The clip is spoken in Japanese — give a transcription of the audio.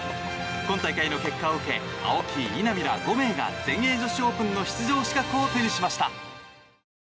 今大会の結果を受け青木、稲見ら５名が全英女子オープンの出場資格を手にしました。